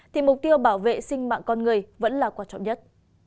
thì mục tiêu bảo vệ sinh mạng con người vẫn là quan trọng nhất